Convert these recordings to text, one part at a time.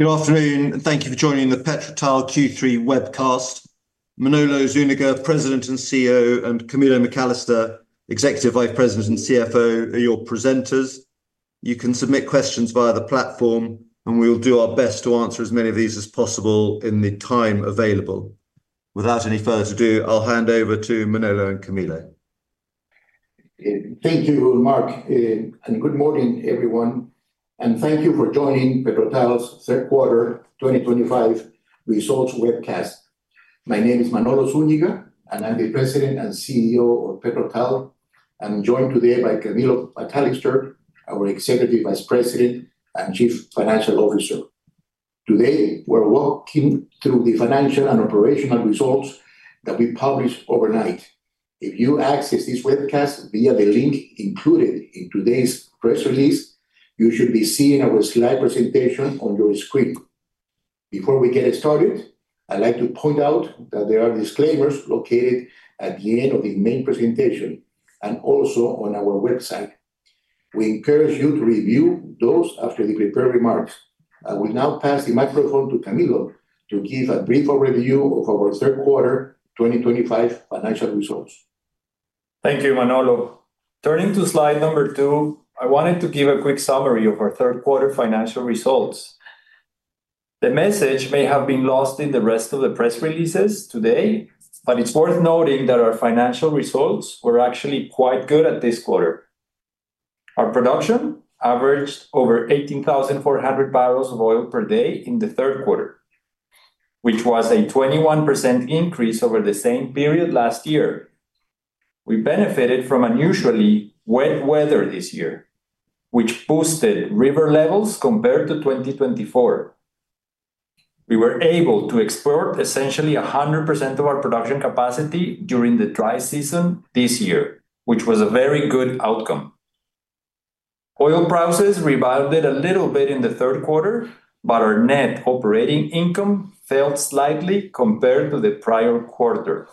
Good afternoon, and thank you for joining the PetroTal Q3 webcast. Manolo Zúñiga, President and CEO, and Camilo McAllister, Executive Vice President and CFO, are your presenters. You can submit questions via the platform, and we will do our best to answer as many of these as possible in the time available. Without any further ado, I'll hand over to Manolo and Camilo. Thank you, Mark, and good morning, everyone. Thank you for joining PetroTal's third quarter 2025 results webcast. My name is Manolo Zúñiga, and I'm the President and CEO of PetroTal. I'm joined today by Camilo McAllister, our Executive Vice President and Chief Financial Officer. Today, we're walking through the financial and operational results that we published overnight. If you access this webcast via the link included in today's press release, you should be seeing our slide presentation on your screen. Before we get started, I'd like to point out that there are disclaimers located at the end of the main presentation and also on our website. We encourage you to review those after the prepared remarks. I will now pass the microphone to Camilo to give a brief overview of our third quarter 2025 financial results. Thank you, Manolo. Turning to slide number two, I wanted to give a quick summary of our third quarter financial results. The message may have been lost in the rest of the press releases today, but it's worth noting that our financial results were actually quite good at this quarter. Our production averaged over 18,400 bbl of oil per day in the third quarter, which was a 21% increase over the same period last year. We benefited from unusually wet weather this year, which boosted river levels compared to 2024. We were able to export essentially 100% of our production capacity during the dry season this year, which was a very good outcome. Oil prices rebounded a little bit in the third quarter, but our net operating income fell slightly compared to the prior quarter.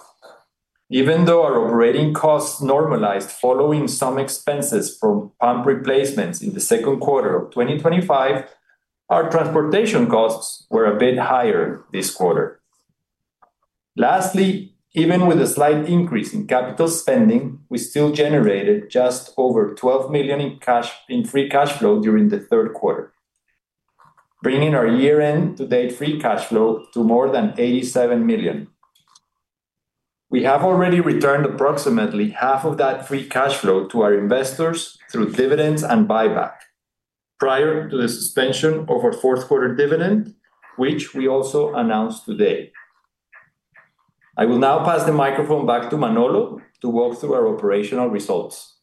Even though our operating costs normalized following some expenses from pump replacements in the second quarter of 2025, our transportation costs were a bit higher this quarter. Lastly, even with a slight increase in capital spending, we still generated just over $12 million in free cash flow during the third quarter, bringing our year-end-to-date free cash flow to more than $87 million. We have already returned approximately half of that free cash flow to our investors through dividends and buyback prior to the suspension of our fourth quarter dividend, which we also announced today. I will now pass the microphone back to Manolo to walk through our operational results.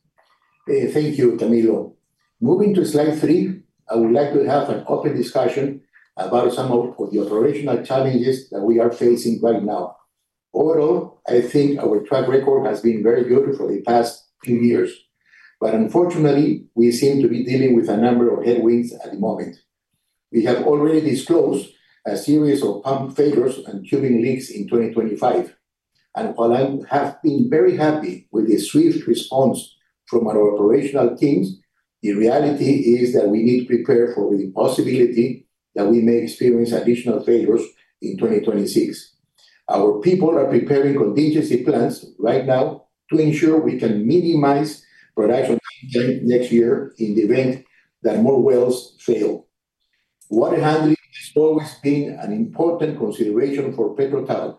Thank you, Camilo. Moving to slide three, I would like to have an open discussion about some of the operational challenges that we are facing right now. Overall, I think our track record has been very good for the past few years, but unfortunately, we seem to be dealing with a number of headwinds at the moment. We have already disclosed a series of pump failures and tubing leaks in 2025. While I have been very happy with the swift response from our operational teams, the reality is that we need to prepare for the possibility that we may experience additional failures in 2026. Our people are preparing contingency plans right now to ensure we can minimize production next year in the event that more wells fail. Water handling has always been an important consideration for PetroTal,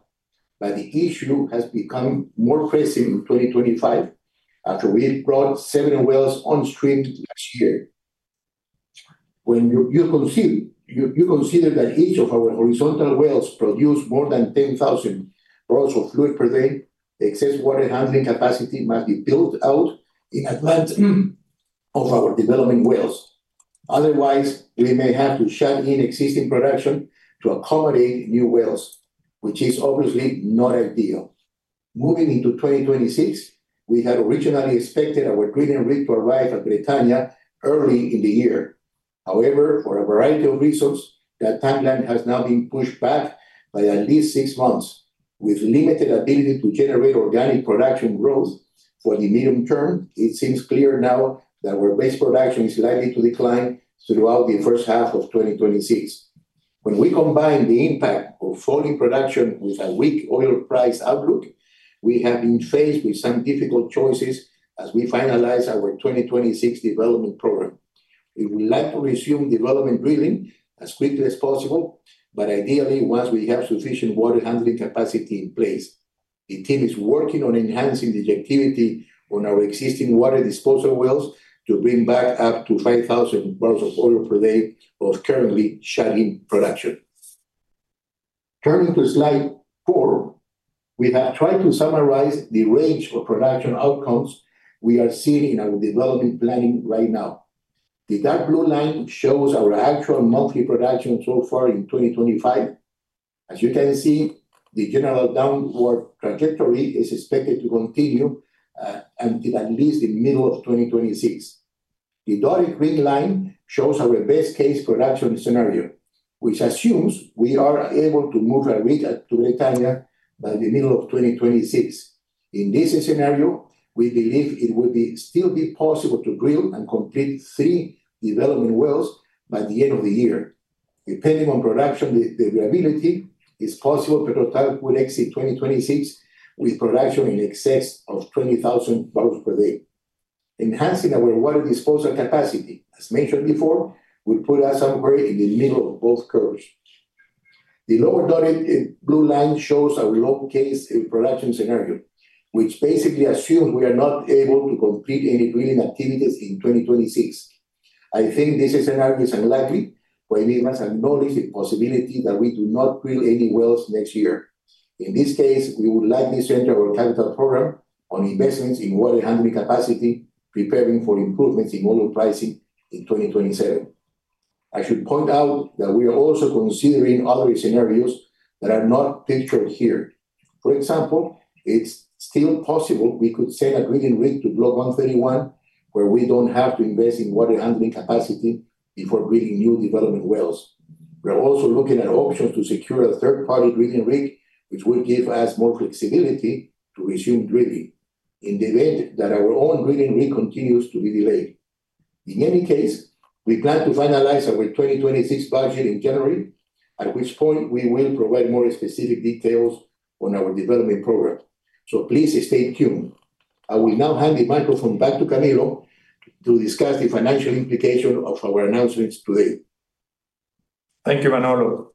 but the issue has become more pressing in 2025 after we brought seven wells on stream last year. When you consider that each of our horizontal wells produces more than 10,000 bbl of fluid per day, excess water handling capacity must be built out in advance of our development wells. Otherwise, we may have to shut in existing production to accommodate new wells, which is obviously not ideal. Moving into 2026, we had originally expected our green and rig to arrive at Bretaña early in the year. However, for a variety of reasons, that timeline has now been pushed back by at least six months. With limited ability to generate organic production growth for the medium term, it seems clear now that our base production is likely to decline throughout the first half of 2026. When we combine the impact of falling production with a weak oil price outlook, we have been faced with some difficult choices as we finalize our 2026 development program. We would like to resume development drilling as quickly as possible, but ideally, once we have sufficient water handling capacity in place. The team is working on enhancing the activity on our existing water disposal wells to bring back up to 5,000 bbl of oil per day of currently shut-in production. Turning to slide four, we have tried to summarize the range of production outcomes we are seeing in our development planning right now. The dark blue line shows our actual monthly production so far in 2025. As you can see, the general downward trajectory is expected to continue until at least the middle of 2026. The dotted green line shows our best-case production scenario, which assumes we are able to move our rig to Bretana by the middle of 2026. In this scenario, we believe it would still be possible to drill and complete three development wells by the end of the year. Depending on production availability, it's possible PetroTal could exit 2026 with production in excess of 20,000 bbl per day. Enhancing our water disposal capacity, as mentioned before, would put us somewhere in the middle of both curves. The lower dotted blue line shows our low-case production scenario, which basically assumes we are not able to complete any drilling activities in 2026. I think this scenario is unlikely when we must acknowledge the possibility that we do not drill any wells next year. In this case, we would likely center our capital program on investments in water handling capacity, preparing for improvements in oil pricing in 2027. I should point out that we are also considering other scenarios that are not pictured here. For example, it's still possible we could send a green rig to Block 131, where we do not have to invest in water handling capacity before drilling new development wells. We are also looking at options to secure a third-party drilling rig, which would give us more flexibility to resume drilling in the event that our own drilling rig continues to be delayed. In any case, we plan to finalize our 2026 budget in January, at which point we will provide more specific details on our development program. Please stay tuned. I will now hand the microphone back to Camilo to discuss the financial implications of our announcements today. Thank you, Manolo.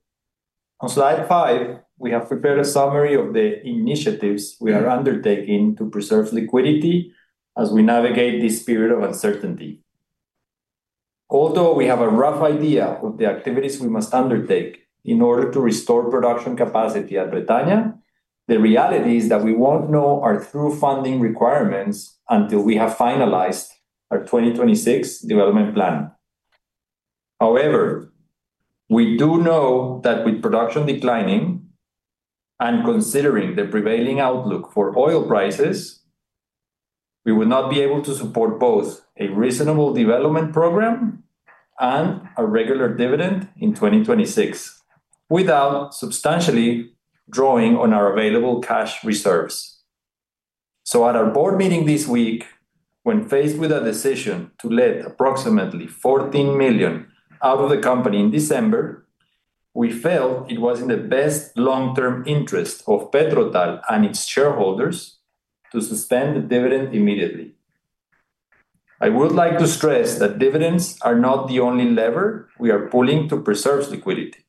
On slide five, we have prepared a summary of the initiatives we are undertaking to preserve liquidity as we navigate this period of uncertainty. Although we have a rough idea of the activities we must undertake in order to restore production capacity at Bretaña, the reality is that we won't know our true funding requirements until we have finalized our 2026 development plan. However, we do know that with production declining and considering the prevailing outlook for oil prices, we would not be able to support both a reasonable development program and a regular dividend in 2026 without substantially drawing on our available cash reserves. At our board meeting this week, when faced with a decision to let approximately $14 million out of the company in December, we felt it was in the best long-term interest of PetroTal and its shareholders to suspend the dividend immediately. I would like to stress that dividends are not the only lever we are pulling to preserve liquidity.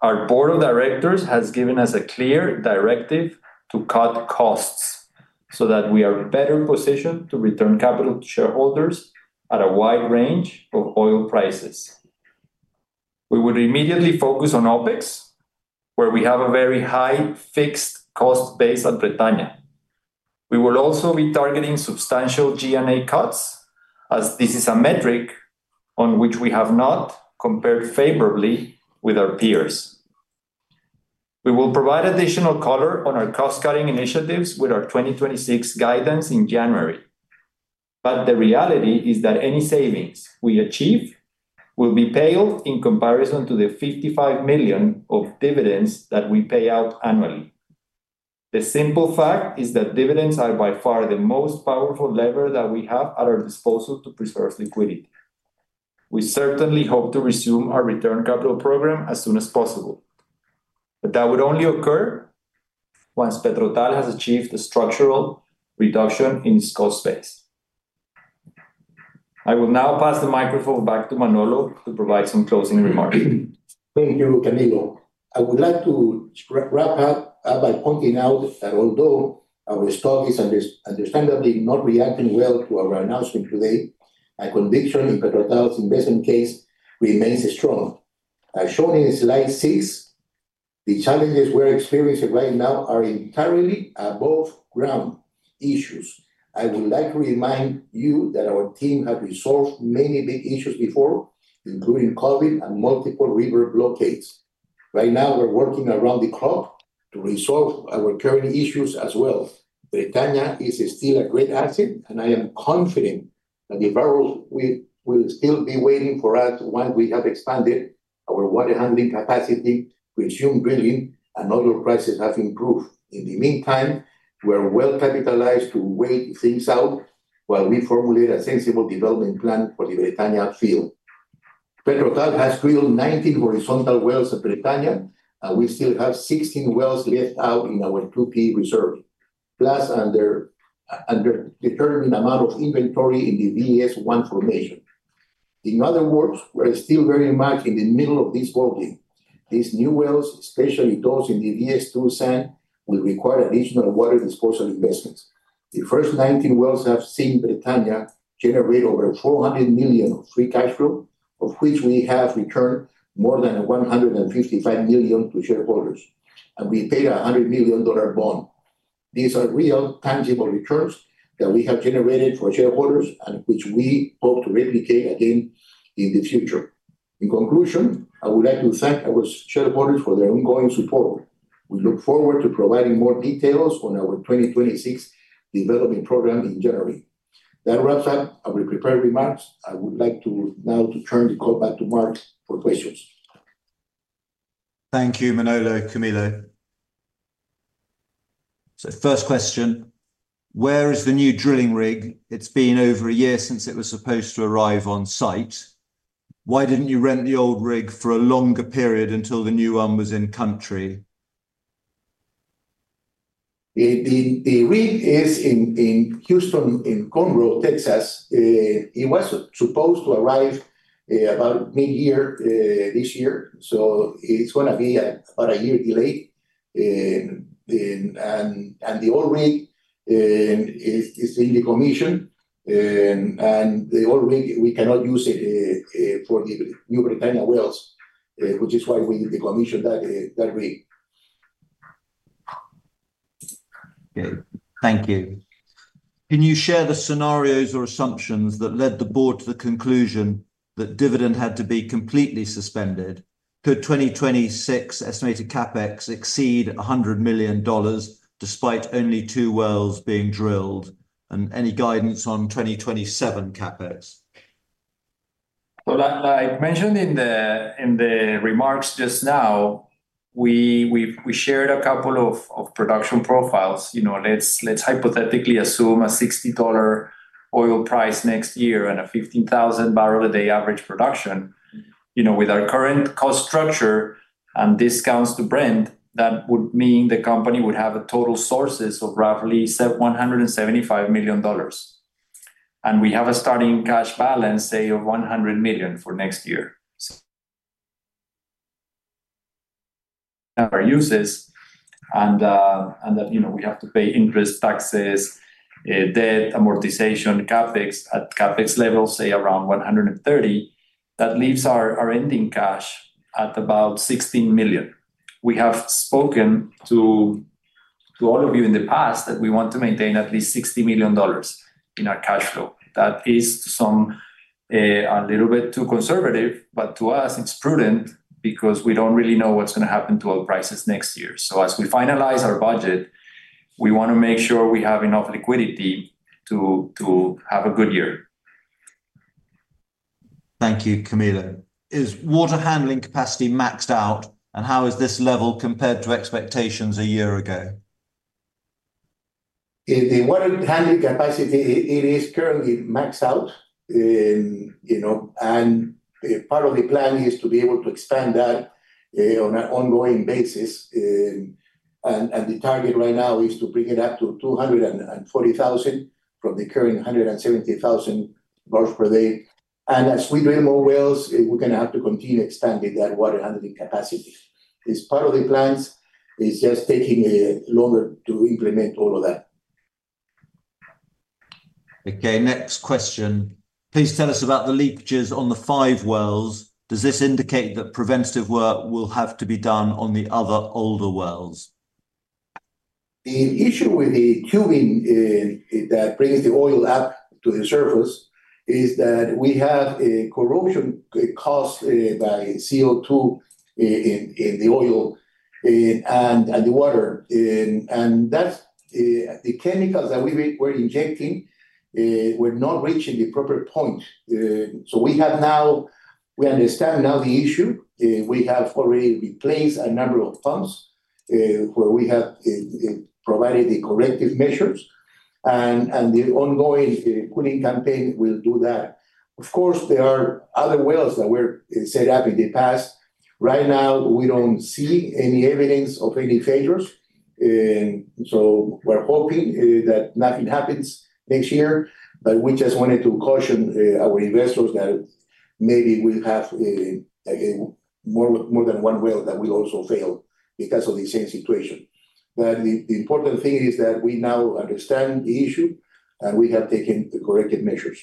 Our Board of Directors has given us a clear directive to cut costs so that we are better positioned to return capital to shareholders at a wide range of oil prices. We would immediately focus on OPEX, where we have a very high fixed cost base at Bretaña. We will also be targeting substantial G&A cuts, as this is a metric on which we have not compared favorably with our peers. We will provide additional color on our cost-cutting initiatives with our 2026 guidance in January. The reality is that any savings we achieve will be pale in comparison to the $55 million of dividends that we pay out annually. The simple fact is that dividends are by far the most powerful lever that we have at our disposal to preserve liquidity. We certainly hope to resume our return capital program as soon as possible, but that would only occur once PetroTal has achieved a structural reduction in its cost base. I will now pass the microphone back to Manolo to provide some closing remarks. Thank you, Camilo. I would like to wrap up by pointing out that although our stock is understandably not reacting well to our announcement today, my conviction in PetroTal's investment case remains strong. As shown in slide six, the challenges we're experiencing right now are entirely above ground issues. I would like to remind you that our team has resolved many big issues before, including COVID and multiple river blockades. Right now, we're working around the clock to resolve our current issues as well. Bretañais still a great asset, and I am confident that the barrel will still be waiting for us once we have expanded our water handling capacity to resume drilling and oil prices have improved. In the meantime, we're well capitalized to wait things out while we formulate a sensible development plan for the Bretañafield. PetroTal has drilled 19 horizontal wells at Bretaña, and we still have 16 wells left out in our 2P reserve, plus an undetermined amount of inventory in the VS1 formation. In other words, we're still very much in the middle of this volume. These new wells, especially those in the VS2 sand, will require additional water disposal investments. The first 19 wells have seen Bretana generate over $400 million of free cash flow, of which we have returned more than $155 million to shareholders, and we paid a $100 million bond. These are real tangible returns that we have generated for shareholders and which we hope to replicate again in the future. In conclusion, I would like to thank our shareholders for their ongoing support. We look forward to providing more details on our 2026 development program in January. That wraps up our prepared remarks. I would like to now turn the call back to Mark for questions. Thank you, Manolo, Camilo. First question, where is the new drilling rig? It's been over a year since it was supposed to arrive on site. Why didn't you rent the old rig for a longer period until the new one was in country? The rig is in Houston, in Conroe, Texas. It was supposed to arrive about mid-year this year, so it's going to be about a year delayed. The old rig is in the commission, and the old rig, we cannot use it for the new Bretañawells, which is why we need to commission that rig. Thank you. Can you share the scenarios or assumptions that led the board to the conclusion that dividend had to be completely suspended? Could 2026 estimated CapEx exceed $100 million despite only two wells being drilled? Any guidance on 2027 CapEx? Like I mentioned in the remarks just now, we shared a couple of production profiles. Let's hypothetically assume a $60 oil price next year and a 15,000 bbl a day average production. With our current cost structure and discounts to Brent, that would mean the company would have a total sources of roughly $175 million. We have a starting cash balance, say, of $100 million for next year. Our uses, and we have to pay interest, taxes, debt, amortization, CapEx at CapEx levels, say, around $130 million, that leaves our ending cash at about $16 million. We have spoken to all of you in the past that we want to maintain at least $60 million in our cash flow. That is a little bit too conservative, but to us, it's prudent because we do not really know what's going to happen to our prices next year. As we finalize our budget, we want to make sure we have enough liquidity to have a good year. Thank you, Camilo. Is water handling capacity maxed out, and how is this level compared to expectations a year ago? The water handling capacity, it is currently maxed out. Part of the plan is to be able to expand that on an ongoing basis. The target right now is to bring it up to $240,000 from the current 170,000 bbl per day. As we drill more wells, we're going to have to continue expanding that water handling capacity. It's part of the plans. It's just taking longer to implement all of that. Okay, next question. Please tell us about the leakages on the five wells. Does this indicate that preventative work will have to be done on the other older wells? The issue with the tubing that brings the oil up to the surface is that we have corrosion caused by CO2 in the oil and the water. The chemicals that we were injecting were not reaching the proper point. We understand now the issue. We have already replaced a number of pumps where we have provided the corrective measures, and the ongoing cooling campaign will do that. Of course, there are other wells that were set up in the past. Right now, we do not see any evidence of any failures. We are hoping that nothing happens next year, but we just wanted to caution our investors that maybe we have more than one well that will also fail because of the same situation. The important thing is that we now understand the issue, and we have taken the corrective measures.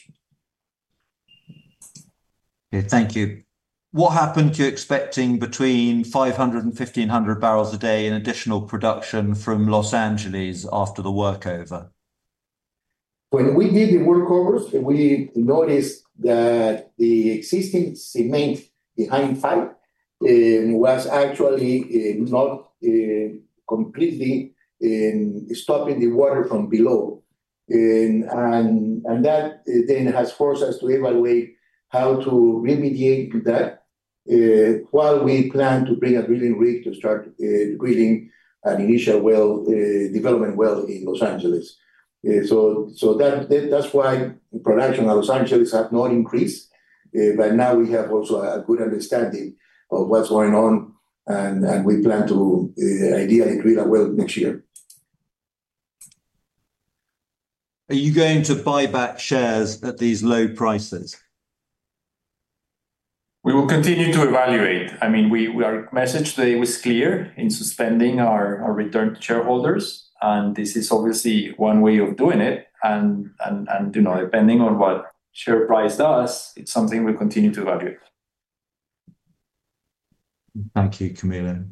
Okay, thank you. What happened to expecting between 500 and 1,500 bbl a day in additional production from Los Angeles after the workover? When we did the workovers, we noticed that the existing cement behind five was actually not completely stopping the water from below. That then has forced us to evaluate how to remediate that while we plan to bring a drilling rig to start drilling an initial development well in Los Angeles. That is why production at Los Angeles has not increased. Now we have also a good understanding of what's going on, and we plan to ideally drill a well next year. Are you going to buy back shares at these low prices? We will continue to evaluate. I mean, our message today was clear in suspending our return to shareholders, and this is obviously one way of doing it. Depending on what share price does, it's something we'll continue to evaluate. Thank you, Camilo.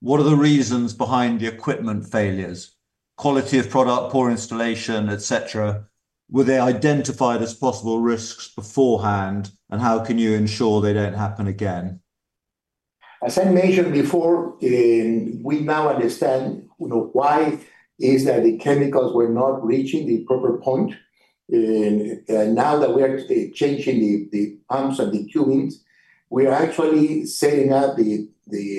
What are the reasons behind the equipment failures? Quality of product, poor installation, etc.? Were they identified as possible risks beforehand, and how can you ensure they don't happen again? As I mentioned before, we now understand why it is that the chemicals were not reaching the proper point. Now that we are changing the pumps and the tubings, we are actually setting up the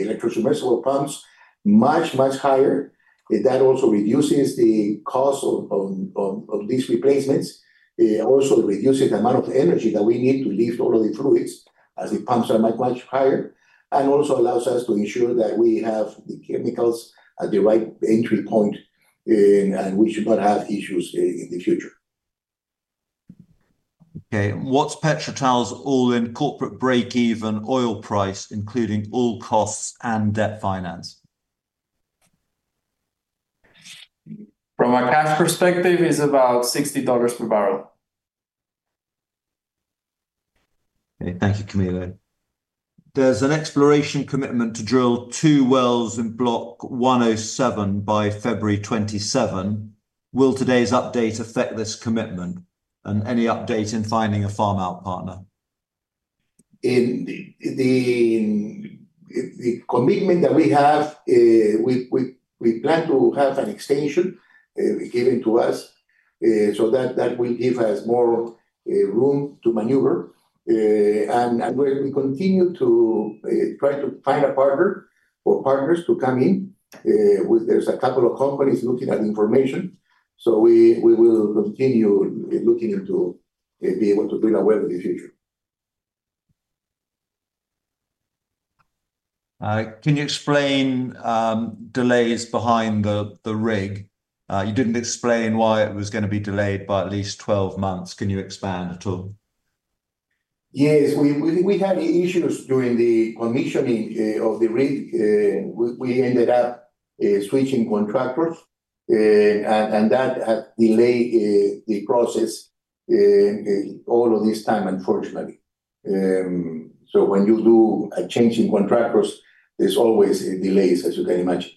Electro Submersible Pumps much, much higher. That also reduces the cost of these replacements. It also reduces the amount of energy that we need to lift all of the fluids as the pumps are much, much higher, and also allows us to ensure that we have the chemicals at the right entry point, and we should not have issues in the future. Okay, what's PetroTal's all-in corporate break-even oil price, including all costs and debt finance? From a cash perspective, it's about $60 per barrel. Okay, thank you, Camilo. There's an exploration commitment to drill two wells in Block 107 by February 27. Will today's update affect this commitment and any update in finding a farm-out partner? The commitment that we have, we plan to have an extension given to us so that will give us more room to maneuver. We continue to try to find a partner or partners to come in. There are a couple of companies looking at information, so we will continue looking to be able to drill a well in the future. Can you explain delays behind the rig? You didn't explain why it was going to be delayed by at least 12 months. Can you expand at all? Yes, we had issues during the commissioning of the rig. We ended up switching contractors, and that has delayed the process all of this time, unfortunately. When you do a change in contractors, there's always delays, as you can imagine.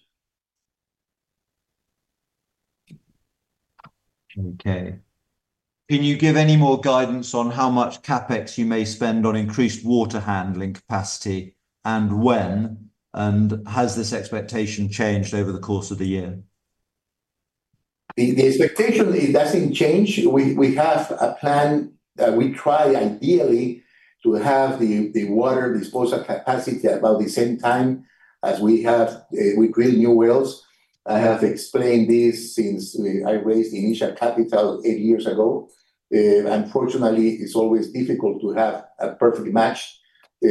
Okay. Can you give any more guidance on how much CapEx you may spend on increased water handling capacity and when? Has this expectation changed over the course of the year? The expectation doesn't change. We have a plan that we try, ideally, to have the water disposal capacity at about the same time as we drill new wells. I have explained this since I raised the initial capital eight years ago. Unfortunately, it's always difficult to have a perfect match. As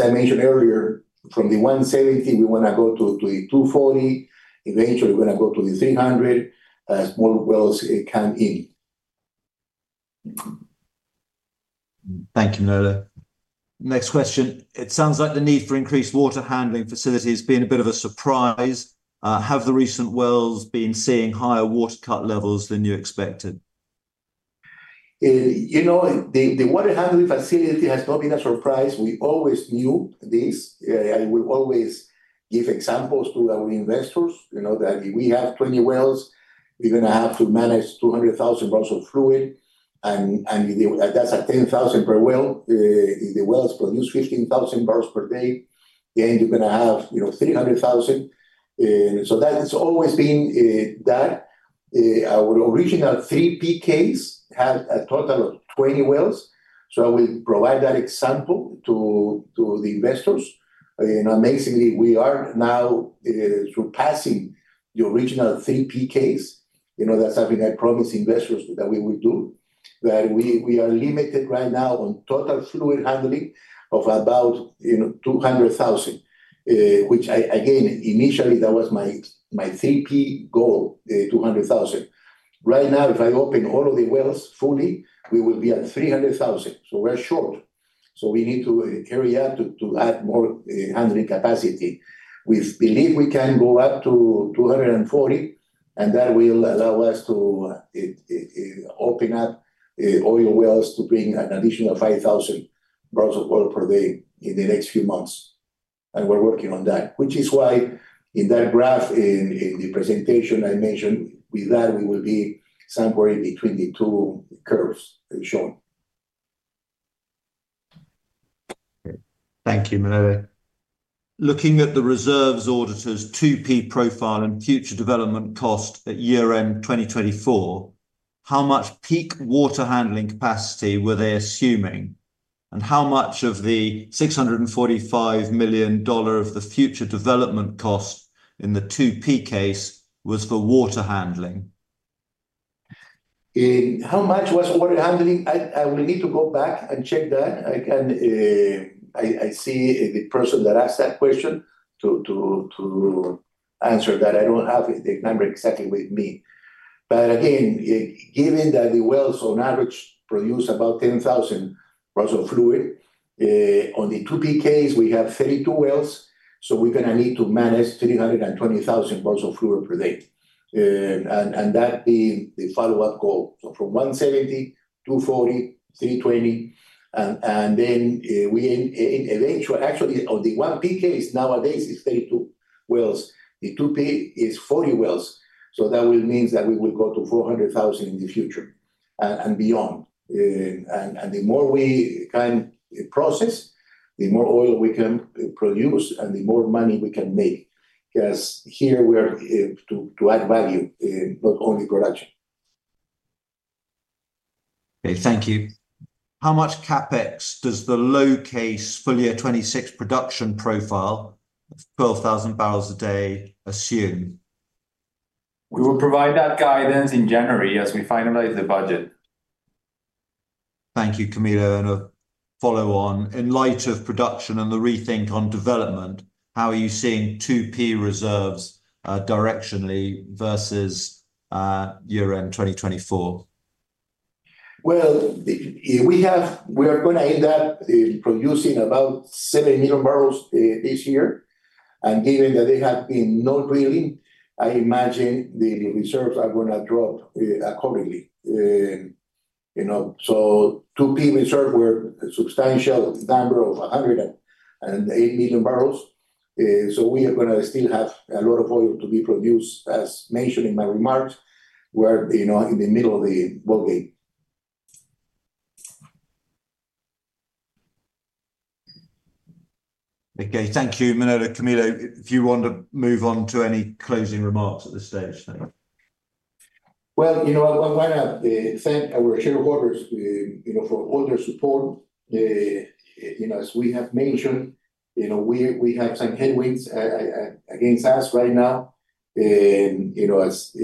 I mentioned earlier, from the 170, we want to go to the 240. Eventually, we're going to go to the 300 as more wells come in. Thank you, Manola. Next question. It sounds like the need for increased water handling facility has been a bit of a surprise. Have the recent wells been seeing higher water cut levels than you expected? You know, the water handling facility has not been a surprise. We always knew this. We always give examples to our investors that if we have 20 wells, we're going to have to manage 200,000 of fluid. And that's at 10,000 per well. The wells produce 15,000 bbl per day. Then you're going to have 300,000. That has always been that. Our original 3P cases had a total of 20 wells. I will provide that example to the investors. Amazingly, we are now surpassing the original 3P cases. That is something I promised investors that we would do, that we are limited right now on total fluid handling of about 200,000, which, again, initially, that was my 3P goal, 200,000. Right now, if I open all of the wells fully, we will be at 300,000. We are short. We need to carry out to add more handling capacity. We believe we can go up to 240, and that will allow us to open up oil wells to bring an additional 5,000 bbl of oil per day in the next few months. We are working on that, which is why in that graph in the presentation I mentioned, with that, we will be somewhere between the two curves shown. Thank you, Manolo. Looking at the reserves auditor's 2P profile and future development cost at year-end 2024, how much peak water handling capacity were they assuming? How much of the $645 million of the future development cost in the 2P case was for water handling? How much was water handling? I will need to go back and check that. I see the person that asked that question to answer that. I do not have the number exactly with me. Again, given that the wells on average produce about 10,000 bbl of fluid, on the 2P case, we have 32 wells, so we are going to need to manage 320,000 bbl of fluid per day. That being the follow-up goal. From 170, 240, 320, and then we eventually actually, on the 1P case, nowadays, it is 32 wells. The 2P is 40 wells. That will mean that we will go to 400,000 in the future and beyond. The more we can process, the more oil we can produce, and the more money we can make because here we are to add value, not only production. Okay, thank you. How much CapEx does the low-case Fuller 26 production profile of 12,000 bbl a day assume? We will provide that guidance in January as we finalize the budget. Thank you, Camilo. A follow-on. In light of production and the rethink on development, how are you seeing 2P reserves directionally versus year-end 2024? We are going to end up producing about 7 million bbl this year. Given that there has been no drilling, I imagine the reserves are going to drop accordingly. 2P reserves were a substantial number of 108 million bbl. We are going to still have a lot of oil to be produced, as mentioned in my remarks, we're in the middle of the ballgame. Okay, thank you. Manolo, Camilo, if you want to move on to any closing remarks at this stage, thank you. I want to thank our shareholders for all their support. As we have mentioned, we have some headwinds against us right now. As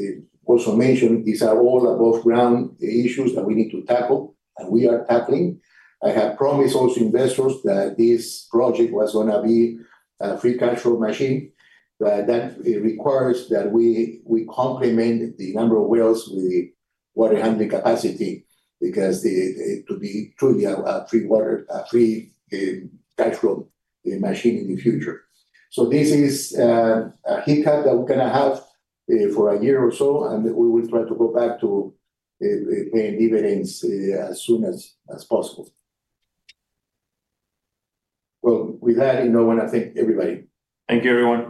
also mentioned, these are all above-ground issues that we need to tackle, and we are tackling. I have promised also investors that this project was going to be a free cash flow machine, but that requires that we complement the number of wells with the water handling capacity because it could be truly a free cash flow machine in the future. This is a hiccup that we're going to have for a year or so, and we will try to go back to paying dividends as soon as possible. With that, I want to thank everybody. Thank you, everyone.